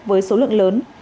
với số lượng lớn